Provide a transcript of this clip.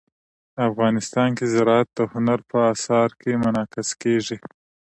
افغانستان کې زراعت د هنر په اثار کې منعکس کېږي.